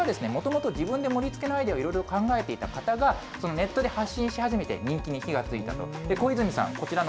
こちらはもともと自分で盛りつけのアイデアをいろいろ考えていた方が、ネットで発信し始めて人気に火がついたと。